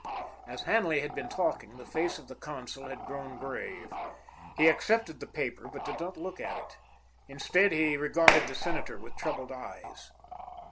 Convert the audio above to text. As Hanley had been talking, the face of the consul had grown grave. He accepted the paper, but did not look at it. Instead, he regarded the senator with troubled eyes.